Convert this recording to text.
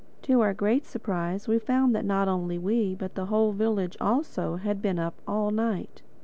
To our great surprise we found that not only we, but the whole village also, had been up all night.